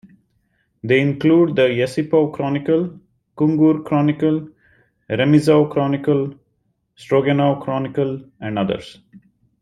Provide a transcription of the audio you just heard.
They include the Yesipov Chronicle, Kungur Chronicle, Remezov Chronicle, Stroganov Chronicle, and others.